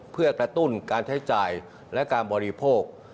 เพื่อกระตุ้นการใช้จ่ายและการบริโภค